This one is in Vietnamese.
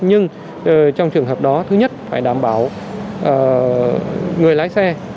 nhưng trong trường hợp đó thứ nhất phải đảm bảo người lái xe